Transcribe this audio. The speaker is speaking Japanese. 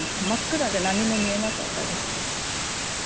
真っ暗で何も見えなかったです。